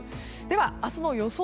では明日の予想